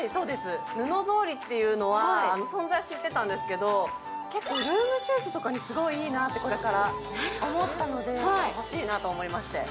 布ぞうりっていうのは存在知ってたんですけど、結構ルームシューズとかにいいなと思ったので、欲しいなと思いまして。